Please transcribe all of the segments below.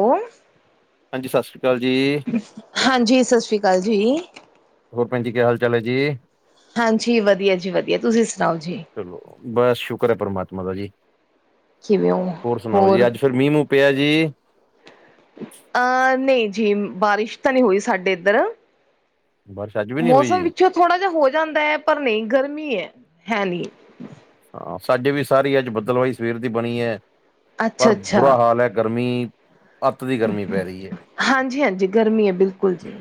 Call ਹਾਂਜੀ ਸਤਿ ਸ਼੍ਰੀ ਅਕਾਲ ਜੀ। ਹਾਂਜੀ ਸਸਰੀ ਕਾਲ ਜੀ। ਹੋਰ ਭੈਨ ਜੀ ਕੀ ਹਾਲ ਚਾਲ ਏ ਜੀ? ਹਾਂਜੀ ਵਧੀਆ ਜੀ ਵਧੀਆ ਤੁਸੀ ਸੁਨਾਓ ਜੀ। ਚਲੋ ਬਸ ਸ਼ੁਕਰ ਐ ਪਰਮਾਤਮਾ ਦਾ ਜੀ, ਕਿਵੇਂ ਹੋ ਹੋਰ ਸੁਨਾਓ ਜੀ ਅੱਜ ਫਿਰ ਮੀ ਮੂੰ ਪਆ ਜੀ। ਅ ਨਈ ਜੀ ਬਾਰਿਸ਼ ਤਾ ਨੀ ਹੋਈ ਸਾਡੇ ਐਦਰ। ਬਾਰਿਸ਼ ਅੱਜ ਵੀ ਨਹੀਂ ਹੋਈ ਮੌਸਮ ਜੀ ਵਿੱਚੋ ਥੋੜਾ ਜਾ ਹੋ ਜਾਂਦਾ ਐ ਪਰ ਨੀ ਗਰਮੀ ਏ ਹੈ ਨੀ। ਹਾਂ, ਸਾਡੇ ਵੀ ਸਾਰੀ ਅੱਜ ਬੱਦਲਵਾਈ ਸਵੇਰ ਦੀ ਬਨੀ ਐ ਅੱਛਾ ਪਰ ਅੱਛਾ ਬੁਰਾ ਹਾਲ ਏ ਗਰਮੀ ਅੱਤ ਦੀ ਗਰਮੀ ਪੈ ਰਹੀ ਹਾਂਜੀ- ਹਾਂਜੀ ਗਰਮੀ ਐ ਬਿਲਕੁਲ ਜੀ।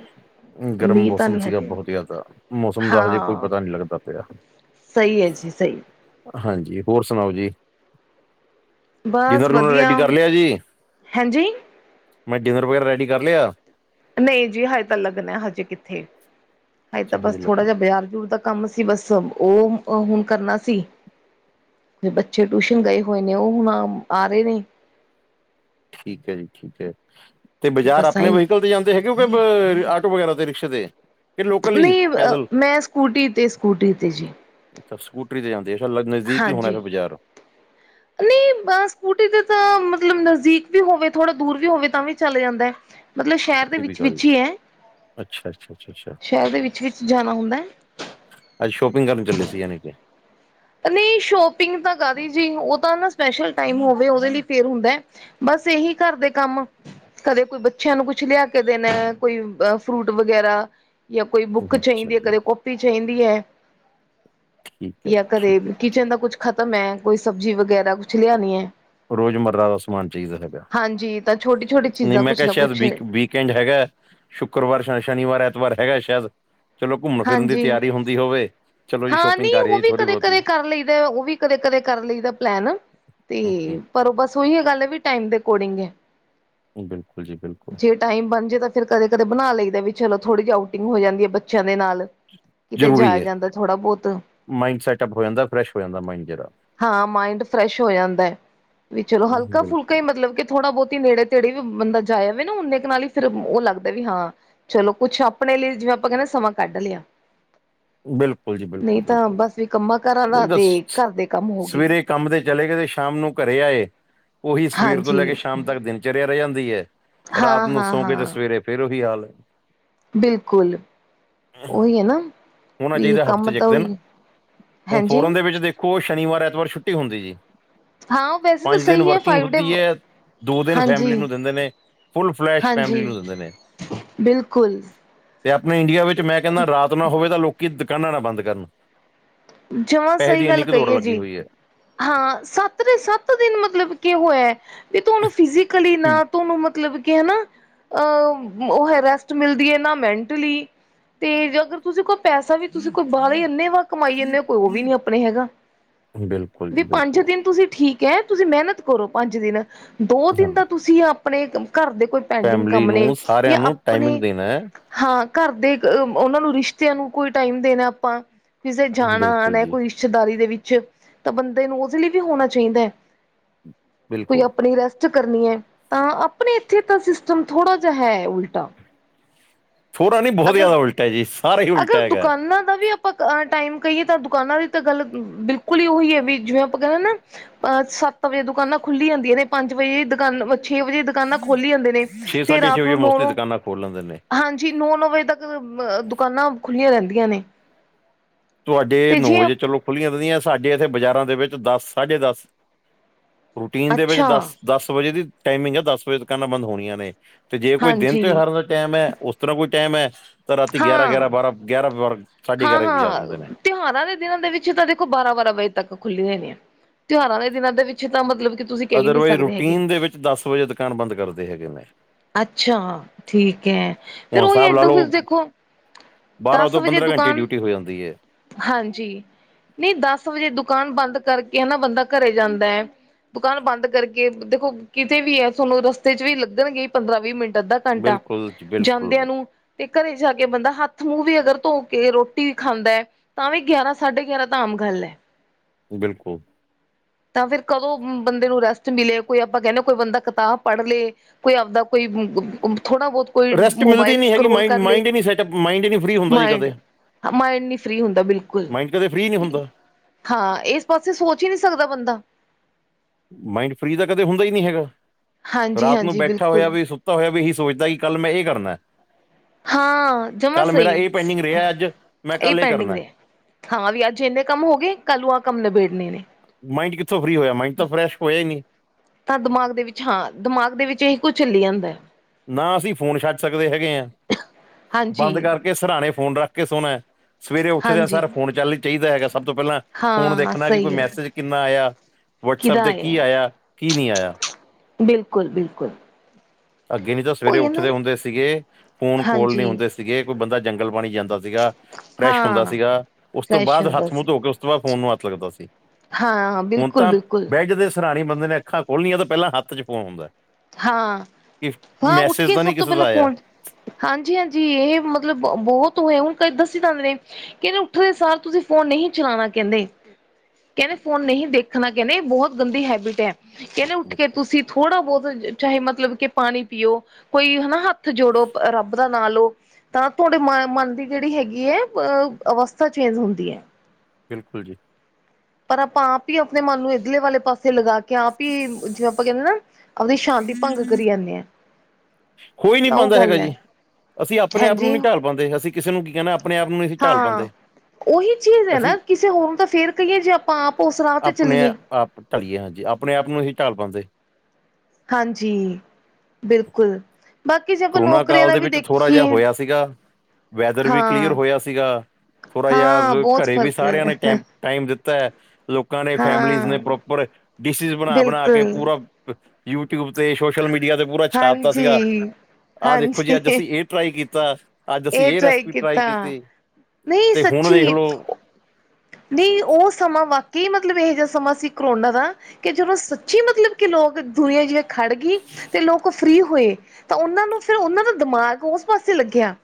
ਗਰਮ ਮੀਂਹ ਤਾਂ ਮੌਸਮ ਨਹੀਂ ਸੀਗਾ ਹਜੇ ਬੋਤ ਜਾਦਾ, ਮੌਸਮ ਦਾ ਹਜੇ ਕੋਈ ਹਾਂ ਪਤਾ ਨੀ ਲੱਗਦਾ ਪੇਆ। ਸਹੀ ਐ ਜੀ, ਸਹੀ। ਹਾਂਜੀ, ਹੋਰ ਸੁਨਾਓ ਜੀ। ਬਸ ਡਿਨਰ- ਡੂਨਰ ਵਧੀਆ ਰੈਡੀ ਕਰ ਲਿਆ ਜੀ, ਹਾਂਜੀ ਮੈਂ ਡਿਨਰ ਵਗੈਰਾ ਰੈਡੀ ਕਰ ਲਿਆ। ਨਈਂ ਜੀ, ਹਜੇ ਤਾਂ ਲੱਗਨੈ ਹਜੇ ਕਿੱਥੇ, ਹਜੇ ਅੱਛਾ ਤਾਂ ਬਸ ਥੋੜ੍ਹਾ ਲੱਗਣਾ ਜੇਆ, ਹੈ ਬਜ਼ਾਰ-ਬਜੂਰ ਤੱਕ। ਕੰਮ ਸੀ ਬਸ ਓ, ਓ ਹੁਨ ਕਰਨਾ ਸੀ। 'ਤੇ ਬੱਚੇ ਟੂਸ਼ਨ ਗਏ ਹੋਏ ਨੇ, ਓ ਹੁਨ ਅਹ ਆ ਰੇ ਨੇ। ਠੀਕ ਐ ਜੀ, ਠੀਕ ਐ। 'ਤੇ ਬਜ਼ਾਰ ਬਸ ਆਪਨੇ ਆਈ ਵਹੀਕਲ ਤੇ ਜਾਂਦੇ ਹੈਗੇ ਓ, ਕਿ ਬਅ ਆਟੋ-ਵਗੈਰਾ, 'ਤੇ ਰਿਕਸ਼ੇ 'ਤੇ? ਕਿ ਲੋਕਲ ਹੀ ਨਈ ਵ ਪੈਦਲ ਮੈਂ ਸਕੂਟੀ ਤੇ, ਸਕੂਟੀ ਤੇ ਜੀ। ਅੱਛਾ, ਸਕੂਟਰੀ 'ਤੇ ਜਾਂਦੇ, ਫਿਰ ਲਗ ਨਜ਼ਦੀਕ ਈ ਹੋਨੈ ਹੈਗਾ ਹਾਂਜੀ ਬਜ਼ਾਰ। ਅ ਸਕੂਟੀ ਤੇ ਤਾਂ ਮਤਲਬ ਨਜ਼ਦੀਕ ਵੀ ਹੋਵੇ, ਥੋੜਾ ਦੂਰ ਵੀ ਹੋਵੇ, ਤਾਂ ਵੀ ਚੱਲ ਜਾਂਦੈ। ਮਤਲਬ ਸ਼ੈਹਰ ਦੇ ਇਹ ਵੀ ਵਿੱਚ ਗੱਲ -ਵਿਚ ਈ ਐ, ਅੱਛਾ ਅੱਛਾ ਅੱਛਾ ਅੱਛਾ ਸ਼ ਸ਼ੈਹਰ ਦੇ ਵਿੱਚ -ਵਿਚ ਜਾਨੈ ਹੁੰਦੈ। ਅਜ ਸ਼ੋਪਿੰਗ ਕਰਨ ਚੱਲੇ ਸੀ ਯਾਨੀ ਕਿ। ਨੀਂ, ਸ਼ੋਪਿੰਗ ਤਾਂ ਕਾਅਦੀ ਜੀ, ਓ ਤਾ ਨਾ ਸਪੈਸ਼ਲ ਟਾਈਮ ਹੋਵੇ ਉਦੇ ਲੀ ਫੇਰ ਹੁੰਦੈ। ਬਸ ਏਹੀ, ਘਰਦੇ ਕੰਮ। ਕਦੇ ਕੋਈ ਬੱਚਿਆਂ ਨੂੰ ਕੁਛ ਲਿਆ ਕੇ ਦੇਨੈ, ਕੋਈ ਵ ਫਰੂਟ ਵਗੈਰਾ। ਯਾ ਕੋਈ ਬੁੱਕ ਅੱਛਾ ਚਾਈਂਦੀ ਐ, ਜੀ ਕਦੇ ਕੋਪੀ ਚਾਈਂਦੀ ਐ। ਠੀਕ ਐ, ਠੀਕ ਐ, ਠੀਕ। ਕਿਚਨ ਦਾ ਕੁਛ ਖ਼ਤਮ ਐ, ਕੋਈ ਸਬਜ਼ੀ ਵਗੈਰਾ ਕੁੱਛ ਲਿਆਨੀ ਐ। ਰੋਜ਼ਮਰਰਾ ਦਾ ਸਮਾਨ ਚਾਈਦਾ ਹੈਗੈ, ਹਾਂਜੀ ਤਾਂ ਛੋਟੀ ਛੋਟੀ ਨਈ ਚੀਜ਼ਾਂ ਮੈਂ ਕੁਛ ਕੈਆ, ਨਾ ਸ਼ੈਦ ਕੁਛ ਵੀਕ -ਵੀਕ। ਕੈਂਡ ਹੈਗੈ, ਸ਼ੁੱਕਰਵਾਰ, ਸ਼- ਸ਼ਨੀਵਾਰ, ਐਤਵਾਰ ਹੈਗੈ ਸ਼ੈਦ। ਚਲੋ ਘੁੰਮਨ-ਫਿਰਨ ਦੀ ਹਾਂਜੀ ਤਿਆਰੀ ਹੁੰਦੀ ਹੋਵੇ, ਚਲੋ ਹਾਂ ਸ਼ੋਪਿੰਗ ਨਹੀਂ ਕਰ ਉਹ ਆਈਏ ਵੀ ਥੋੜ੍ਹੀ- ਕਦੇ ਬੋਤੀ। ਕਦੇ ਕਰ ਲਈਦੈ ਓਵੀ ਕਦੇ- ਕਦੇ ਕਰ ਲਈਦੈ ਪਲੈਨ, ਹੂੰ, 'ਤੇ ਪਰ ਬਸ ਓਈਓ ਗੱਲ ਐ ਵੀ ਟਾਈਮ ਦੇ ਅਕੋਡਿੰਗ ਐ। ਬਿਲਕੁਲ ਜੀ, ਬਿਲਕੁਲ। ਟਾਈਮ ਬਨਜੇ ਤਾ ਫਿਰ ਕਦੇ-ਕਦੇ ਬਨਾ ਲਈਦੈ, ਵੀ ਚਲੋ ਥੋੜ੍ਹੀ ਜੀ ਆਊਟਿੰਗ ਹੋ ਜਾਂਦੀ ਐ ਬੱਚਿਆਂ ਦੇ ਨਾਲ। ਕਿਤੇ ਜ਼ਰੂਰੀ ਜਾਇਆ ਐ, ਜਾਂਦਾ ਥੋੜ੍ਹਾ ਬਹੁਤ ਮਾਈਂਡ ਸੈਟਅਪ ਹੋ ਜਾਂਦੈ, ਫਰੈਸ਼ ਹੋ ਜਾਂਦੈ ਮਾਈਂਡ ਜੇੜਾ। ਹਾਂ ਮਾਇੰਡ ਫਰੈਸ਼ ਹੋ ਜਾਂਦੈ, ਵੀ ਚਲੋ ਹੂੰ, ਹਲਕਾ-ਫੁਲਕਾ ਬਿਲਕੁਲ ਈ, ਮਤਲਬ ਕੇ। ਥੋੜ੍ਹਾ-ਬੋਤੀ ਨੇੜੇ-ਤੇੜੇ ਵੀ ਬੰਦਾ ਜਾਏ ਵੇ ਨਾ, ਓਨੇ ਕੇ ਨਾਲ ਈ ਫਿਰ ਵੀ ਓ ਲਗਦੈ ਵੀ ਹਾਂ। ਚਲੋ, ਕੁੱਛ ਆਪਨੇ ਲਈ ਜਿਵੇਂ ਆਪਾਂ ਕੈਂਨੇ ਆਂ, ਸਮਾਂ ਕੱਢ ਲਿਆ। ਬਿਲਕੁਲ ਜੀ ਬਿਲਕੁਲ ਨਈ ਤਾਂ ਬਿਲਕੁਲ ਬਸ ਵੀ ਕੰਮਾਂ -ਕਾਰਾਂ ਨਹੀਂ ਦਾ, ਤਾਂ 'ਤੇ ਸ- ਘਰ ਦੇ ਕੰਮ ਹੋਗੇ। ਸਵੇਰੇ ਕੰਮ 'ਤੇ ਚਲੇਗੇ ਤੇ ਸ਼ਾਮ ਨੂੰ ਘਰੇ ਆਏ, ਓਹੀ ਸਵੇਰ ਤੋਂ ਹਾਂਜੀ। ਲੈ ਕੇ ਸ਼ਾਮ ਤਕ ਦਿਨਚਰਿਆ ਰੈ ਜਾਂਦੀ ਐ। ਰਾਤ ਹਾਂ ਨੂੰ ਹਾਂ ਸੋਂ ਕੇ 'ਤੇ ਹਾਂ ਸਵੇਰੇ ਫੇਰ ਓਹੀ ਹਾਲ। ਬਿਲਕੁਲ, ਹੈ। ਓਈ ਐ ਨਾ। ਹੋਣਾ ਵੀ ਚਾਹੀਦਾ ਕੰਮ ਹਫ਼ਤੇ ਤਾਂ ਓਹੀ ਏ, ਹੈਂਜੀ। ਵਿਚ ਦੇਖੋ, ਸ਼ਨੀਵਾਰ, ਐਤਵਾਰ ਛੁੱਟੀ ਹੁੰਦੀ ਜੇ, ਹਾਂ ਵੈਸੇ ਤਾਂ ਪੰਜ ਦਿਨ ਸਹੀ ਹੈ ਵਰਕਿੰਗ ਫਾਈਵ ਡੇ ਹੁੰਦੀ ਐ। ਦੋ ਦਿਨ ਹਾਂਜੀ ਫੈਮਿਲੀ ਨੂੰ ਦਿੰਦੇ ਨੇ, ਫੁੱਲ- ਫਲੈਸ਼ ਹਾਂਜੀ ਫੈਮਿਲੀ ਨੂੰ ਦਿੰਦੇ ਨੇ। ਬਿਲਕੁਲ। ਤੇ ਆਪਨੇ ਇੰਡੀਆ ਵਿੱਚ ਮੈਂ ਕੈਂਨਾ, ਰਾਤ ਨਾ ਹੋਵੇ ਤਾ ਲੋਕੀ ਦੁਕਾਨਾਂ ਨਾਂ ਬੰਦ ਕਰਨ। ਜਵਾਂ ਪੈਸੇ ਸਈ ਦੀ ਇੰਨੀ ਗੱਲ ਕੁ ਦੌੜ ਕਈ ਏ ਲੱਗੀ ਜੀ। ਹੋਈ ਹੈ ਹਾਂ, ਸੱਤ ਦੇ ਸੱਤ ਦਿਨ ਮਤਲਬ ਕੇ ਹੋਇਐ। 'ਤੇ ਤੁਆਨੂੰ ਫਿਜ਼ੀਕਲੀ ਹਮ, ਨਾ, ਤੁਆਨੂੰ ਮਤਲਬ ਕੇ ਹਨਾ। ਅ ਓ ਹੈ ਰੈਸਟ ਮਿਲਦੀ ਐ, ਨਾ ਮੈਂਟਲੀ। 'ਤੇੇ ਜੇ ਅਗਰ ਤੁਸੀਂ ਕੋਅ ਪੈਸਾ ਵੀ, ਤੁਸੀਂ ਕੋਅ ਬਾਅਲੇ ਅੰਨ੍ਹੇ ਵਾ ਕਮਾ ਮਾਈਜਨੇਓ ਕੋਈ ਓਵੀ ਨੀ ਅਪਣੇ ਹੈਗਾ, ਬਿਲਕੁਲ ਵੀ ਜੀ ਪੰਜ ਬਿਲਕੁਲ ਦਿਨ ਤੁਸੀਂ ਠੀ ਕ ਐ ਤੁਸੀਂ ਮੈਨਤ ਕਰੋ ਪੰਜ ਦਿਨ, ਦੋ ਹਾਂ ਦਿਨ ਤਾ ਤੁਸੀ ਆਪਣੇ ਕ ਘਰ ਦੇ ਕੋਈ ਪੈਂਡਿੰਗ ਫੈਮਿਲੀ ਕੰਮ ਨੇ ਨੂੰ ਸਾਰਿਆਂ ਜਾਂ ਨੂੰ ਆਪਣੇ ਟਾਈਮਿੰਗ ਦੇਣਾ ਹੈ ਹਾਂ ਘਰ ਦੇ ਕ ਓਨਾਂ ਨੂੰ ਰਿਸ਼ਤਿਆਂ ਨੂੰ ਕੋਈ ਟਾਈਮ ਦੇਣੈ ਆਪਾਂ। ਕਿਸੇ ਜਾਣਾ- ਬਿਲਕੁਲ ਆਣਾ ਜੀ ਕੋਈ ਰਿਸ਼ਤੇਦਾਰੀ ਦੇ ਵਿੱਚ, ਤਾ ਬੰਦੇ ਨੂੰ ਓਦੇ ਲੀ ਵੀ ਹੋਣਾ ਚਈਂਦਾ। ਕੋਈ ਬਿਲਕੁਲ ਆਪਣੀ ਰੈਸ ਟ ਕਰਨੀ ਐਂ, ਤਾਂ ਆਪਣੇ ਇੱਥੇ ਸਿਸਟਮ ਥੋੜਾ ਜਿਹਾ ਹੈ ਉਲਟਾ। ਥੋੜਾ ਨੀ ਬਹੁਤ ਅਗਰ ਜਿਆਦਾ ਉਲਟਾ ਜੀ, ਸਾਰੇ ਅਗਰ ਦੁਕਾਨਾਂ ਦਾ ਵੀ ਅ ਆਪਾਂ ਟਾਈਮ ਕਹੀਏ ਤਾਂ ਦੁਕਾਨਾਂ ਦੀ ਤਾਂ ਗੱਲ ਬਿਲਕੁਲ ਹੀ ਉਹੀ ਹੈ ਵੀ ਜਿਵੇਂ ਆਪਾਂ ਕਹਿੰਦੇ ਨਾ ਅਹ ਸੱਤ ਵਜੇ ਦੁਕਾਨਾਂ ਖੁੱਲੀ ਜਾਂਦੀਆਂ ਨੇ, ਪੰਜ ਵਜੇ ਦੁਕਾਨਾਂ, ਛੇ ਵਜੇ ਦੁਕਾਨਾਂ ਖੋਲੀ ਜਾਂਦੇ ਨੇ, ਛੇ ਤੇ ਸਾਢੇ ਛੇ ਰਾਤ ਵਜੇ ਨੂੰ ਨੌ- ਮੋਸਟਲੀ ਨੌ ਦੁਕਾਨਾਂ ਖੋਲ ਲੈਂਦੇ ਨੇ ਹਾਂਜੀ। ਜੀ ਨੌ- ਨੌ ਵਜੇ ਤੱਕ ਅ ਦੁਕਾਨਾਂ ਖੁੱਲੀਆਂ ਰਹਿੰਦੀਆਂ ਨੇ। ਤੁਹਾਡੇ ਤੇ ਨੌ ਜੇ ਵਜੇ ਚਲੋ ਖੁੱਲੀਆਂ ਰਹਿੰਦੀਆਂ ਸਾਡੇ ਇੱਥੇ ਬਾਜ਼ਾਰਾਂ ਦੇ ਵਿੱਚ ਦਸ -ਸਾਢੇ ਦਸ ਰੂਟੀਨ ਦੇ ਵਿੱਚ ਅੱਛਾ ਦਸ- ਦਸ ਵਜੇ ਦੀ ਟਾਈਮਿੰਗ ਆ, ਦਸ ਵਜੇ ਦੁਕਾਨਾਂ ਬੰਦ ਹੋਣੀਆਂ ਨੇ। ਤੇ ਜੇ ਕੋਈ ਦਿਨ ਹਾਂਜੀ ਤਿਉਹਾਰਾਂ ਦਾ ਟਾਈਮ ਐ, ਉਸ ਤਰ੍ਹਾਂ ਕੋਈ ਟਾਈਮ ਐ ਤਾਂ ਰਾਤੀ ਗਿਆਰਾਂ- ਹਾਂ ਗਿਆਰਾਂ, ਬਾਰਾਂ ਗਿਆਰਾਂ -ਬਾਰ੍ਹਾਂ ਸਾਢੇ ਗਿਆਰਾਂ ਵੀ ਵਜਾਂ ਦੇ। ਹਾਂ-ਹਾਂ ਤਿਉਹਾਰਾਂ ਦੇ ਦਿਨਾਂ ਦੇ ਵਿੱਚ ਤਾਂ ਦੇਖੋ ਬਾਰਾਂ- ਬਾਰਾਂ ਵਜੇ ਤੱਕ ਖੁੱਲੀਆ ਨੇ। ਤਿਉਹਾਰਾਂ ਦੇ ਦਿਨਾਂ ਦੇ ਵਿੱਚ ਤਾਂ ਮਤਲਬ ਕਿ ਤੁਸੀਂ ਕਹਿ ਹੀ ਨਹੀਂ ਅਦਰਵਾਈਜ਼ ਸਕਦੇ ਹੈਗੇ। ਰੂਟੀਨ ਦੇ ਵਿੱਚ, ਦਸ ਵਜੇ ਦੁਕਾਨ ਬੰਦ ਕਰਦੇ ਹੈਗੇ ਨੇ। ਅੱਛਾ, ਠੀਕ ਐ। ਹੁਣ ਫੇਰ ਉਹੀ ਹਿਸਾਬ ਲਾ ਏਦਾਂ ਕੁ ਲਓ ਦੇਖੋ, ਦਸ ਤੋਂ ਵਜੇ ਘੰਟੇ ਦੁਕਾਨ, ਡਿਊਟੀ ਹੋ ਜਾਂਦੀ ਹੈ ਹਾਂਜੀ। ਨਹੀਂ ਦਸ ਵਜੇ ਦੁਕਾਨ ਬੰਦ ਕਰਕੇ ਹਨਾ ਬੰਦਾ ਘਰੇ ਜਾਂਦਾ ਐ ਦੁਕਾਨ ਬੰਦ ਕਰਕੇ, ਦੇਖੋ ਕਿਤੇ ਵੀ ਹੈ ਤੁਹਾਨੂੰ ਰਸਤੇ ਚ ਵੀ ਲੱਗਣਗੇ ਪੰਦਰਾਂ- ਵੀਹ ਮਿੰਟ ਅੱਧਾ ਘੰਟਾ, ਬਿਲਕੁਲ ਜੀ, ਬਿਲਕੁਲ ਜਾਂਦਿਆਂ ਨੂੰ ਤੇ ਘਰੇ ਜਾ ਕੇ ਬੰਦਾ ਹੱਥ ਮੂੰਹ ਅਗਰ ਧੋ ਕੇ ਰੋਟੀ ਵੀ ਖਾਂਦਾ ਐ ਤਾਂ ਵੀ ਗਿਆਰਾਂ- ਸਾਢੇ ਗਿਆਰਾਂ ਤਾਂ ਆਮ ਗੱਲ ਐ। ਬਿਲਕੁਲ। ਤਾਂ ਫਿਰ ਕਦੋਂ ਬੰਦੇ ਨੂੰ ਰੈਸਟ ਮਿਲੇ, ਕੋਈ ਆਪਾਂ ਕਹਿੰਦੇ ਕੋਈ ਬੰਦਾ ਕਿਤਾਬ ਪੜ੍ਹ ਲੇ ਕੋਈ ਆਵਦਾ ਕੋਈ, ਥੋੜਾ ਬਹੁਤ ਕੋਈ ਰੈਸਟ ਮਿਲਦੀ ਮੋਬਾਈਲ ਨਹੀਂ ਹੈਗੀ ਸਕਰੋਲ ਮਾਈਂਡ ਕਰ ਲਏ, ਮਾਈਂਡ ਹੀ ਨਹੀਂ ਸੈਟਅਪ ਮਾਈਂਡ ਹੀ ਨਹੀਂ ਫ੍ਰੀ ਹੁੰਦਾ ਜੀ ਕਦੇ ਮਾਇਡ ਮਾਇੰਡ ਨੀ ਫ੍ਰੀ ਹੁੰਦਾ ਬਿਲਕੁਲ। ਮਾਈਂਡ ਕਦੇ ਫ੍ਰੀ ਨਹੀਂ ਹੁੰਦਾ ਹਾਂ, ਇਸ ਪਾਸੇ ਸੋਚ ਹੀ ਨਹੀਂ ਸਕਦਾ ਬੰਦਾ। ਮਾਇੰਡ ਫਰੀ ਦਾ ਕਦੇ ਹੀ ਨਹੀਂ ਹੈਗਾ, ਹਾਂਜੀ ਰਾਤ ਨੂੰ ਹਾਂਜੀ ਬੈਠਾ ਹੋਇਆ ਬਿਲਕੁਲ ਵੀ ਸੁ ਤਾ ਹੋਇਆ ਵੀ ਇਹੀ ਸੋਚਦਾ ਕਿ ਕੱਲ ਮੈਂ ਇਹ ਕਰਨਾ। ਹਾਂ, ਜਮਾ ਕੱਲ ਮੇਰਾ ਸਹੀ। ਇਹ ਪੈਂਡਿੰਗ ਰਿਹਾ ਅੱਜ ਮੈਂ ਏ ਕੱਲ ਇਹ ਪੈਂਡਿੰਗ ਕਰਨਾ ਹੈ ਨੇ, ਹਾਂ ਵੀ ਅੱਜ ਇੰਨੇ ਕੰਮ ਹੋ ਗਏ, ਕੱਲ ਨੂੰ ਆਹ ਕੰਮ ਨਬੇੜਨੇ ਨੇ। ਮਾਇੰਡ ਕਿੱਥੋਂ ਫਰੀ ਹੋਇਆ, ਮਾਇਂਡ ਤਾਂ ਫਰੈਸ਼ ਹੋਇਆ ਹੀ ਨਹੀਂ। ਤਾਂ ਦਿਮਾਗ ਦੇ ਵਿੱਚ ਹਾਂ, ਦਿਮਾਗ ਦੇ ਵਿੱਚ ਇਹੀ ਕੁਝ ਚੱਲੀ ਜਾਂਦਾ ਹੈ। ਨਾ ਅਸੀਂ ਫੋਨ ਛੱਡ ਸਕਦੇ ਹੈਗੇ ਆਂ, ਬੰਦ ਹਾਂਜੀ ਕਰਕੇ ਸਰਾਣੇ ਫੋਨ ਰੱਖ ਕੇ ਸੋਣਾ। ਸਵੇਰੇ ਉੱਠਦਿਆਂ ਹਾਂਜੀ ਸਾਰ ਫੋਨ ਚੱਲ ਚਾਹੀਦਾ ਹੈਗਾ ਸਭ ਤੋਂ ਪਹਿਲਾਂ, ਫੋਨ ਹਾਂ ਦੇਖਣਾ ਕਿ ਕੋਈ ਸਹੀ ਹੈ ਮੈਸੇਜ ਕਿੰਨਾ ਆਇਆ, ਵਟਸਐਪ ਕਿਦਾ ਤੇ ਕੀ ਹੈ ਆਇਆ, ਕੀ ਨਹੀਂ ਆਇਆ। ਬਿਲਕੁਲ- ਬਿਲਕੁਲ। ਅੱਗੇ ਵੀ ਤਾਂ ਸਵੇਰੇ ਉਹੀ ਹੈ ਨਾ ਉੱਠਦੇ ਹੁੰਦੇ ਸੀਗੇ, ਫੋਨ ਕੋਲ ਨਹੀਂ ਹਾਂਜੀ ਹੁੰਦੇ ਸੀ ਸੀਗੇ, ਕੋਈ ਬੰਦਾ ਜੰਗਲ ਪਾਣੀ ਜਾਂਦਾ ਸੀਗਾ, ਫਰੈਸ਼ ਹੁੰਦਾ ਹਾਂ ਸੀਗਾ, ਉਸ ਤੋਂ ਫਰੈਸ਼ ਬਾਅਦ ਹੁੰਦਾ ਹੱਥ ਮੂੰਹ ਸੀ ਧੋ ਕੇ ਉਸ ਉਸ ਤੋ ਬਾਦ ਫੋਨ ਨੂੰ ਹੱਥ ਲੱਗਦਾ ਸੀ, ਹਾਂ ਹੁਣ ਬਿਲਕੁਲ ਤਾਂ ਬਿਲਕੁਲ [unintelligible] ਸਰਾਨੇ ਈ ਬੰਦੇ ਨੇ ਅੱਖਾਂ ਖੋਲੀਆਂ ਤਾਂ ਪੈਲਾਂ ਹੱਥ ਚ ਫੋਨ ਹੁੰਦੈ। ਹਾਂ-ਹਾਂ ਉੱਠ ਕੇ ਤਾਂ ਨਹੀਂ ਸਭ ਤੋਂ ਕਿਸੇ ਦਾ ਪੈਲਾਂ ਆਇਆ ਫੋਨ ਹਾਂਜੀ-ਹਾਂਜੀ ਏਹ ਮਤਲਬ ਬ ਬੋਹਤ ਹੋਇਆ ਹੁਣ ਕਈ ਦਸੀ ਜਾਂਦੇ ਨੇ ਕੇਂਦੇ ਉੱਠਦੇ ਸਾਰ ਤੁਸੀ ਫੋਨ ਨਹੀਂ ਚਲਾਣਾ ਕੈਂਦੇ। ਕੇਂਦੇ ਫੋਨ ਨਹੀਂ ਦੇਖਣਾ ਕੈਂਦੇ ਬੋਹਤ ਗੰਦੀ ਹੈਬਿਟ ਐ। ਕੈਂਦੇ ਉੱਠ ਕੇ ਤੁਸੀਂ ਥੋੜ੍ਹਾ ਬੋਤ ਚਾਹੇ ਮਤਲਬ ਕੇ ਪਾਣੀ ਪੀਓ, ਕੋਈ ਹਨਾ ਹੱ ਥ ਜੋੜੋ ਰੱਬ ਦਾ ਨਾ ਲੋ ਤਾਂ ਤੁਹਾਡੇ ਮਾ ਮਨ ਦੀ ਜੇੜੀ ਹੈਗੀ ਏ ਅ ਅਵਸਥਾ ਚੇਂਜ ਹੁੰਦੀ ਐ। ਬਿਲਕੁੱਲ ਜੀ। ਪਰ ਆਪਾਂ ਆਪ ਈ ਆਪਣੇ ਮਨ ਨੂੰ ਇਧਲੇ ਵਾਲੇ ਪਾਸੇ ਲਗਾ ਕੇ ਆਪ ਈ ਜਿਵੇਂ ਆਪਾਂ ਕੈਂਦੇ ਨਾ ਆਵਦੀ ਸ਼ਾਂਤੀ ਭੰਗ ਕਰੀ ਜਾਂਨੇ ਆ। ਹੋਈ ਨੀ ਤਾਂ ਉਹ ਪਾਂਦਾ ਹੈਗਾ ਗੱਲ ਹੈ ਜੀ ਅਸੀਂ ਆਪਣੇ ਆਪ ਨੂੰ ਹਾਂਜੀ ਨੀ ਢਾਲ ਪਾਂਦੇ ਅਸੀਂ ਕਿਸੇ ਨੂੰ ਕੀ ਕੈਣਾ ਹਾਂ ਓਹੀ ਚੀਜ਼ ਐ ਨਾ ਅਸੀਂ ਕਿਸੇ ਹੋਰ ਨੂੰ ਤਾਂ ਫੇਰ ਕਈਏ ਜੇ ਆਪਾਂ ਆਪ ਉਸ ਰਾਹ ਤੇ ਚੱਲੀਏ। ਢੱਲੀਏ ਹਾਂਜੀ ਆਪਣੇ ਆਪ ਨੂੰ ਅਹੀਂ ਢਾਲ ਪਾਂਦੇ। ਹਾਂਜੀ ਬਿਲਕੁੱਲ। ਕਰੋਨਾ ਕਾਲ ਦੇ ਵਿੱਚ ਥੋੜ੍ਹਾ ਜਾ ਹੋਇਆ ਸੀਗਾ ਵੈਦਰ ਵੀ ਕਲੀਅਰ ਹਾਂ ਹੋਇਆ ਸੀਗਾ ਥੋੜਾ ਜਾ ਹਾਂ ਬਹੁਤ ਘਰੇ ਵੀ ਫ਼ਰਕ ਸਾਰਿਆਂ ਨੇ ਕੈਂ ਹੈ। ਟਾਈਮ ਦਿੱਤੈ ਲੋਕਾਂ ਨੇ ਫੈਮਲੀਜ਼ ਨੇ ਹਾਂ ਪ੍ਰੋਪਰ ਡਿਸ਼ਿਸ ਬਣਾ-ਬਣਾ ਕੇ ਬਿਲਕੁਲ ਪੂਰਾ ਯੂਟਿਊਬ ਤੇ ਸੋਸ਼ਲ ਮੀਡੀਆ ਤੇ ਪੂਰਾ ਛਾਪਤਾ ਸੀਗਾ। ਹਾਂਜੀ ਆ ਦੇਖੋ ਜੀ ਹਾਂਜੀ ਅੱਜ ਅਸੀਂ ਏ ਟਰਾਈ ਕੀਤਾ। ਅੱਜ ਅਸੀਂ ਇਹ ਏ ਰੈਸਪੀ ਟਰਾਈ ਕੀਤਾ ਕੀਤੀ ਨਹੀਂ ਤੇ ਹੁਣ ਵੇਖ ਲੋ ਨਈ ਓ ਸਮਾਂ ਵਾਕਈ ਮਤਲਬ ਏਹੋ ਜਾ ਸਮਾਂ ਸੀ ਕਰੋਨਾ ਦਾ ਕੀ ਜਦੋਂ ਸੱਚੀ ਮਤਲਬ ਕੀ ਲੋਕ ਦੁਨੀਆਂ ਜਿ ਖੜਗੀ ਤੇ ਲੋਕ ਫਰੀ ਹੋਏ ਤਾਂ ਓਨਾਂ ਨੂੰ ਫਿਰ ਓਨਾਂ ਦਾ ਦਿਮਾਗ ਓਸ ਪਾਸੇ ਲੱਗਿਆ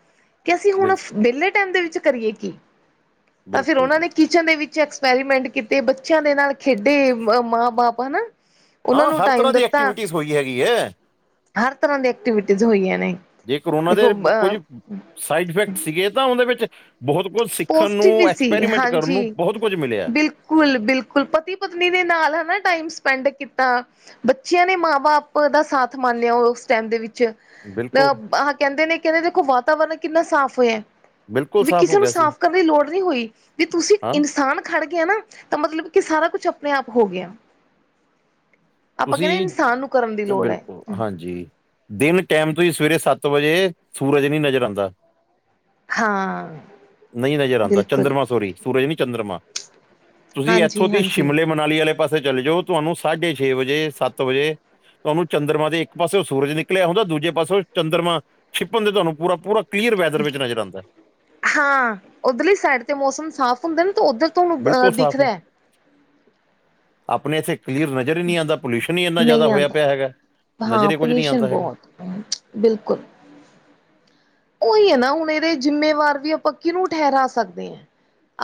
ਕੀ ਅਸੀਂ ਹੁਣ ਬਿਲਕੁਲ ਵੇਲੇ ਟੈਮ ਦੇ ਵਿੱਚ ਕਰੀਏ ਕੀ ਤਾਂ ਫਿਰ ਬਿਲਕੁਲ ਓਨਾਂ ਜੀ ਨੇ ਕਿਚਨ ਦੇ ਵਿੱਚ ਐਕਸਪੈਰੀਮੈਂਟ ਕੀਤੇ ਬੱਚਿਆਂ ਦੇ ਨਾਲ ਖੇਡੇ ਮ ਮਾਂ ਬਾਪ ਹਨਾ? ਉਹਨਾਂ ਹਾਂ ਨੂੰ ਹਰ ਟਾਈਮ ਤਰ੍ਹਾਂ ਦੀ ਦਿੱਤਾ ਐਕਟੀਵਿਟੀਜ਼ ਹੋਈ ਹੈਗੀ ਐ। ਹਰ ਤਰ੍ਹਾਂ ਦੀ ਐਕਟੀਵਿਟੀਜ਼ ਹੋਈਆਂ ਨੇ ਜੇ ਕਰੋਨਾ ਦੇ ਦੇਖੋ ਕੁਝ ਅ ਸਾਈਡ ਇਫੈਕਟ ਸੀਗੇ ਤਾਂ ਓਦੇ ਵਿੱਚ ਬੋਹਤ ਕੁਝ ਸਿੱਖਣ ਪੋਜ਼ਟਿਵ ਨੂੰ ਵੀ ਐਕਸਪੈਰੀਮੈਂਟ ਕਰਨ ਨੂੰ ਬੋਹਤ ਕੁਝ ਮਿਲਿਆ। ਕੁਲ ਬਿਲਕੁੱਲ ਪਤੀ-ਪਤਨੀ ਦੇ ਨਾਲ ਹਨਾ ਟਾਈਮ ਸਪੈਂਡ ਕੀਤਾ। ਬੱਚਿਆਂ ਨੇ ਮਾਂ-ਬਾਪ ਦਾ ਸਾਥ ਮੰਨਿਆ ਓਸ ਟੈਮ ਦੇ ਵਿੱ ਚ ਬਿਲਕੁਲ ਅਹ ਕੈਂਦੇ ਨੇ ਕੈਂਦੇ ਦੇਖੋ ਵਾਤਾਵਰਨ ਕਿੰਨਾ ਸਾਫ਼ ਹੋਇਐ। ਬਿਲਕੁੱਲ ਸਾਫ਼ ਹੋ ਗਿਆ ਸੀ। ਕਦੀ ਲੋੜ ਨੀ ਹੋਈ ਵੀੇ ਤੁਸੀਂ ਹਾਂ ਇਨਸਾਨ ਖੜ ਗਿਆ ਨਾ ਤਾਂ ਮਤਲਬ ਕੀ ਸਾਰਾ ਕੁਛ ਆਪਣੇ ਆਪ ਹੋ ਗਿਆ। ਆਪਾਂ ਕੈਂਦੇ ਤੁਸੀਂ ਇਨਸਾਨ ਨੂੰ ਕਰਨ ਦੀ ਲੋੜ ਐ। ਬਿਲਕੁਲ ਹਾਂਜੀ ਦਿਨ ਟੈਮ ਤੋਂ ਈ ਸਵੇਰੇ ਸੱਤ ਵਜੇ ਸੂਰਜ ਨੀ ਨਜ਼ਰ ਆਂਦਾ। ਹਾਂ। ਨਈ ਨਜ਼ਰ ਆਂਦਾ ਬਿਲਕੁਲ ਚੰਦਰਮਾ ਸੋਰੀ ਸੂਰਜ ਨੀ ਚੰਦਰਮਾ। ਤੁਸੀਂ ਐਥੋਂ ਹਾਂਜੀ ਦੀ ਹਾਂਜੀ ਸ਼ਿਮਲੇ, ਮਨਾਲੀ ਆਲੇ ਪਾਸੇ ਚਲੇ ਜਾਓ ਤੁਹਾਨੂੰ ਸਾਢੇ ਛੇ ਵਜ, ਸੱਤ ਵਜੇ ਤੁਹਾਨੂੰ ਚੰਦਰਮਾ ਦੇ ਇੱਕ ਪਾਸੇ ਓ ਸੂਰਜ ਨਿਕਲਿਆ ਹੁੰਦਾ ਦੂਜੇ ਪਾਸੇ ਓ ਚੰਦਰਮਾ ਛਿਪਣ ਤੇ ਤੁਹਾਨੂੰ ਪੂਰਾ-ਪੂਰਾ ਕਲੀਅਰ ਵੈਦਰ ਵਿੱਚ ਨਜ਼ਰ ਆਂਦੈ। ਹਾਂ ਓਧਰਲੀ ਸਾਈਡ ਤੇ ਮੌਸਮ ਸਾਫ਼ ਹੁੰਦਾ ਨਾ ਤਾਂ ਓਧਰ ਬਿਲਕੁਲ ਸਾਫ਼ ਐ, ਆਪਣੇ ਇਥੇ ਕਲੀਅਰ ਨਜ਼ਰ ਨਜ਼ਰ ਈ ਨੀ ਆਂਦਾ, ਪੋਲਿਊਸ਼ਨ ਈ ਇੰਨਾ ਜ਼ਿਆਦਾ ਨਹੀਂ ਹੋਇਆ ਆਉਂਦਾ ਹੈਗਾ, ਹਾਂ ਨਜ਼ਰ ਈ ਕੁਝ ਨਹੀਂ ਪੋਲਿਊਸ਼ਨ ਆਂਦਾ ਹੈਗਾ। ਬਹੁਤ ਬਿਲਕੁਲ ਉਹੀ ਐ ਨਾ ਹੁਣ ਇਹਦੇ ਜਿੰਮੇਵਾਰ ਵੀ ਆਪਾ ਕਿਨੂੰ ਠਹਿਰਾ ਸਕਦੇ ਹਾ।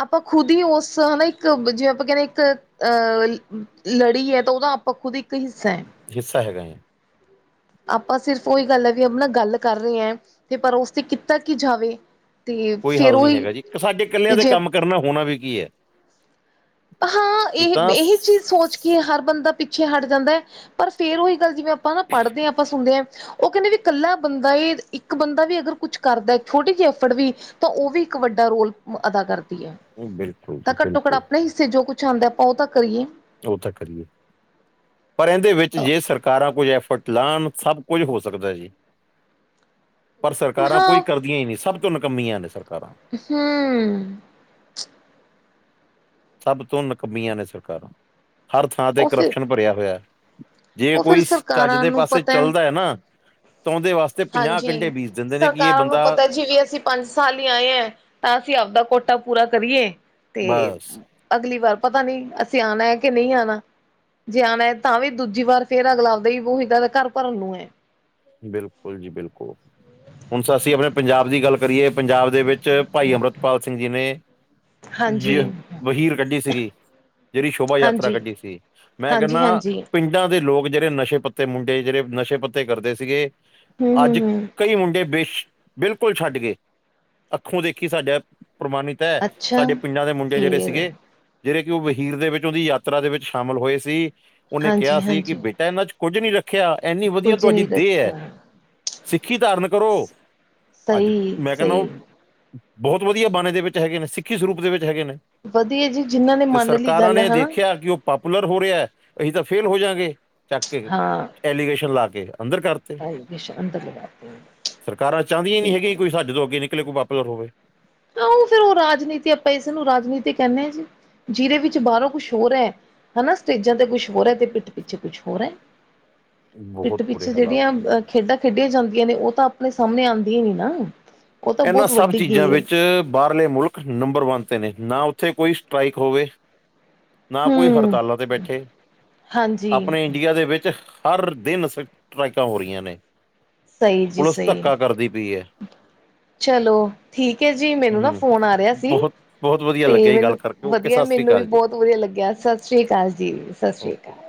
ਆਪਾਂ ਖੁਦ ਹੀ ਉਸ ਹਨਾ ਇੱਕ ਜਿਵੇਂ ਆਪਾਂ ਕਹਿੰਦੇ ਇੱਕ ਅਹ ਲੜੀ ਐ ਤਾਂ ਉਹਦਾ ਆਪਾਂ ਖੁਦ ਇੱਕ ਹਿੱਸਾ ਐ। ਹਿੱਸਾ ਹੈਗਾ ਐ। ਆਪਾਂ ਸਿਰਫ਼ ਉਹੀ ਗੱਲ ਐ ਵੀ ਆਪ ਨਾ ਗੱਲ ਕਰ ਰਹੇ ਆ। ਤੇ ਪਰ ਉਸ ਤੇ ਕੀਤਾ ਕੀ ਜਾਵੇ। ਤੇ ਕੋਈ ਫੇਰ ਹੱਲ ਨੀ ਉਹੀ ਹੈਗਾ ਜੀ, ਸਾਡੇ ਇਕੱਲਿਆਂ ਤੇ ਦੇ ਜੇ ਕੰਮ ਕਰਨ ਨਾਲ ਹੋਣਾ ਵੀ ਕੀ ਐ। ਹਾਂ ਇਹੀ, ਇਹੀ ਚੀਜ਼ ਸੋਚ ਕੇ ਹਰ ਬੰਦਾ ਪਿੱਛੇ ਹਟ ਜਾਂਦਾ ਐ, ਪਰ ਫੇਰ ਉਹੀ ਗੱਲ ਜਿਵੇਂ ਆਪਾਂ ਪੜ੍ਹਦੇ ਆ, ਆਪਾਂ ਸੁਣਦੇ ਆ। ਉਹ ਕਹਿੰਦੇ ਵੀ ਇਕੱਲਾ ਬੰਦਾ ਈ ਇਹ ਇੱਕ ਬੰਦਾ ਵੀ ਅਗਰ ਕੁਛ ਕਰਦਾ ਛੋਟੀ ਜਿਹੀ ਐਫਰਡ ਵੀ ਤਾਂ ਉਹ ਵੀ ਇੱਕ ਵੱਡਾ ਰੋਲ ਅਦਾ ਕਰਦੀ ਐ। ਬਿਲਕੁਲ ਜੀ ਬਿਲਕੁਲ। ਹਿੱਸੇ ਜੋ ਕੁੱਛ ਆਂਦਾ ਆਪਾਂ ਉਹ ਤਾਂ ਕਰੀਏ ਉਹ ਤਾਂ ਕਰੀਏ ਪਰ ਇਹਦੇ ਵਿੱਚ ਜੇ ਸਰਕਾਰਾਂ ਕੁਝ ਐਫਰਟ ਲਾਣ ਸਭ ਕੁੱਝ ਹੋ ਸਕਦਾ ਜੀ। ਪਰ ਸਰਕਾਰਾਂ ਕੋਈ ਹਾਂ ਕਰਦੀਆ ਈ ਨੀ, ਸਭ ਤੋਂ ਨਿਕੰਮੀਆਂ ਨੇ ਸਰਕਾਰਾਂ ਹੁਮਮ ਸਭ ਤੋਂ ਨਕੰਮੀਆਂ ਨੇ ਸਰਕਾਰਾਂ- ਹਰ ਥਾਂ ਤੇ ਉਹ ਫਿਰ ਕਰਪਸ਼ਨ ਭਰਿਆ ਹੋਇਆ, ਜੇ ਉਹ ਫਿਰ ਕੋਈ ਚੱਜ ਸਰਕਾਰਾਂ ਦੇ ਨੂੰ ਪਾਸੇ ਪਤਾ ਹੈ ਚੱਲਦਾ ਏ ਨਾ ਤਾ ਉਦੇ ਵਾਸਤੇ- ਪੰਜਾਹ ਹਾਂਜੀ ਕੰਢੇ ਬੀਜ ਦਿੰਦੇ ਨੇ ਕਿ ਇਹ ਸਰਕਾਰਾਂ ਨੂੰ ਬੰਦਾ ਪਤਾ ਜੀ ਅਸੀਂ ਪੰਜ ਸਾਲ ਲਈ ਆਏ ਐ, ਤਾਂ ਅਸੀਂ ਆਪਦਾ ਕੋਟਾ ਪੂਰਾ ਕਰੀਏ ਤੇ ਬਸ ਅਗਲੀ ਵਾਰ ਪਤਾ ਨੀ ਅਸੀਂ ਆਣਾ ਏ ਕਿ ਨਹੀਂ ਆਣਾ। ਜਾਣਾ ਤਾਂ ਵੀ ਦੂਜੀ ਵਾਰ ਫੇਰ ਅਗਲਾ ਆਪਦਾ ਈ ਬਹੀਦਾ ਘਰ ਭਰਨ ਨੂੰ ਏ ਬਿਲਕੁਲ ਜੀ ਬਿਲਕੁਲ ਹੁਣ ਅਸੀਂ ਆਪਣੇ ਪੰਜਾਬ ਦੀ ਗੱਲ ਕਰੀਏ, ਪੰਜਾਬ ਦੇ ਵਿੱਚ ਭਾਈ ਅੰਮ੍ਰਿਤਪਾਲ ਸਿੰਘ ਜੀ ਨੇ ਹਾਂਜੀ ਜ ਵਹੀਰ ਕੱਢੀ ਸੀਗੀ। ਜਿਹੜੀ ਸ਼ੋਭਾ ਯਾਤਰਾ ਹਾਂਜੀ ਕੱਢੀ ਸੀ, ਮੈਂ ਹਾਂਜੀ ਕਹਿੰਨਾ ਪਿ ਹਾਂਜੀ ਪਿੰਡਾਂ ਦੇ ਲੋਕ ਜਿਹੜੇ ਨਸ਼ੇ- ਪੱਤੇ ਮੁੰਡੇ ਜਿਹੜੇ ਨਸ਼ੇ- ਪੱਤੇ ਕਰਦੇ ਸੀਗੇ, ਹਮ ਅੱਜ ਹਮ ਹਮ ਕਈ ਮੁੰਡੇ ਬੇਸ਼ ਬਿਲਕੁਲ ਛੱਡ ਗਏ, ਅੱਖੋਂ ਦੇਖੀ ਸਾਡਾ ਪ੍ਰਮਾਣਿਤ ਅੱਛਾ ਸਾਡੇ ਪਿੰਡਾਂ ਦੇ ਮੁੰਡੇ ਜਿਹੜੇ ਫੇਰ ਸੀਗੇ। ਜਿਹੜੇ ਕਿ ਉਹ ਵਹੀਰ ਦੇ ਵਿੱਚ ਉਹਦੀ ਯਾਤਰਾ ਦੇ ਵਿੱਚ ਸ਼ਾਮਿਲ ਹੋਏ ਸੀ, ਉਹਨੇ ਕਿਹਾ ਹਾਂਜੀ ਸੀ ਕਿ ਹਾਂਜੀ ਬੇਟਾ ਇਹਨਾਂ 'ਚ' ਕੁੱਝ ਨਹੀਂ ਰੱਖਿਆ, ਇੰਨੀ ਵਧੀਆ ਕੁੱਝ ਤੁਹਾਡੀ ਨਹੀਂ ਦੇਹ ਐ, ਰੱਖਿਆ ਸਿੱਖੀ ਧਾਰਮਿਕ ਕਰੋ, ਅੱਜ ਸਹੀ ਮੈਂ ਕਹਿੰਦਾ ਸਹੀ ਉਹ ਬਹੁਤ ਵਧੀਆ ਬਾਣੇ ਦੇ ਵਿੱਚ ਹੈਗੇ ਨੇ, ਸਿੱਖੀ ਸਰੂਪ ਦੇ ਵਿੱਚ ਹੈਗੇ ਨੇ ਵਧੀਆ ਜੀ ਜਿਨਾਂ ਨੇ ਤੇ ਮੰਨ ਲਈ ਸਰਕਾਰਾਂ ਗੱਲ ਨੇ ਹਨਾ ਦੇਖਿਆ ਕਿ ਉਹ- ਪਾਪੂਲਰ ਹੋ ਰਿਹਾ, ਅਸੀਂ ਤਾਂ ਫੇਲ ਹੋ ਜਾਂਗੇ, ਚੱਕ ਕੇ ਹਾਂ ਐਲੀਗੇਸ਼ਨ ਲਾ ਕੇ ਅੰਦਰ ਕਰ ਅੰਦਰ ਲਗਾਤੇ ਸਰਕਾਰਾ ਚਾਹੁੰਦੀਆਂ ਨੀ ਬਿਲਕੁਲ ਹੈਗੀਆਂ ਕੋਈ ਸਾਡੇ ਤੋਂ ਅੱਗੇ ਨਿਕਲੇ ਕੋਈ ਪਾਪੂਲਰ ਹੋਵੇ। ਆਹ ਉਹ ਫੇਿਰ ਉਹ ਰਾਜਨੀਤੀ ਆਪਾਂ ਇਸ ਨੂੰ ਰਾਜਨੀਤੀ ਕਹਿੰਦੇ ਆ ਜੀ, ਜਿਹਦੇ ਵਿੱਚ ਬਾਹਰੋਂ ਕੁਛ ਹੋਰ ਏ ਹਨਾ, ਸਟੇਜਾਂ ਤੇ ਕੁਛ ਹੋਰ ਐ ਤੇ ਪਿੱਠ ਪਿੱਛੇ ਕੁਛ ਹੋਰ ਏ, ਪਿੱਠ ਬਹੁਤ ਬੁਰੇ ਪਿੱਛੇ ਹਾਲਾਤ ਨੇ ਖੇਡਾਂ ਖੇਡੀਆਂ ਜਾਂਦੀਆਂ ਨੇ ਉਹ ਤਾਂ ਆਪਣੇ ਸਾਹਮਣੇ ਆਂਦੀਆਂ ਨੀ ਨਾ ਉਹ ਤਾਂ ਇਹਨਾਂ ਬਹੁਤ ਸਭ ਵੱਡੀ ਚੀਜ਼ਾਂ ਗੇਮ ਵਿੱਚ ਬਾਹਰਲੇ ਮੁਲਕ ਨੰਬਰ ਵਨ 'ਤੇ ਨਾ ਉੱਥੇ ਕੋਈ ਸਟਰਾਈਕ ਹੋਵੇ। ਨਾ ਕੋਈ ਹੂੰ ਹੜਤਾਲਾਂ ਤੇ ਬੈਠੇ। ਹਾਂਜੀ ਆਪਣੇ ਇੰਡੀਆ ਦੇ ਵਿੱਚ ਹਰ ਦਿਨ ਸਟਰੈਕਾਂ ਹੋ ਰਹੀਆਂ ਨੇ। ਸਹੀ ਜੀ ਪੁਲਿਸ ਸਹੀ। ਧੱਕਾ ਕਰਦੀ ਪਈ ਹੈ ਚਲੋ ਠੀਕ ਏ ਜੀ। ਮੈਨੂੰ ਨਾ ਹੂੰ ਫੋਨ ਆ ਰਿਹਾ ਸੀ ਬਹੁਤ ਬਹੁਤ ਵਧੀਆ ਤੇ ਲੱਗਿਆ ਜੀ ਗੱਲ ਮੈਨੂੰ ਕਰਕੇ ਓਕੇ ਵਧੀਆ ਸਤਿ ਸ੍ਰੀ ਮੈਨੂੰ ਵੀ ਅਕਾਲ ਜੀ ਬਹੁਤ ਵਧੀਆ ਲੱਗਿਆ ਸਤਿ ਸ੍ਰੀ ਅਕਾਲ ਜੀ, ਸਸਰੀ ਓਕੇ ਅਕਾਲ।